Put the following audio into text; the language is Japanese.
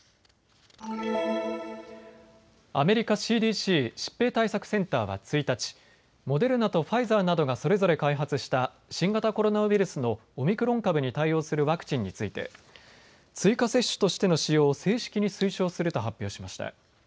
アメリカＣＤＣ・疾病対策センターは１日、モデルナとファイザーなどがそれぞれ開発した新型コロナウイルスのオミクロン株に対応するワクチンについて、追加接種としての使用を正式に推奨すると発表しました。